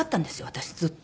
私ずっと。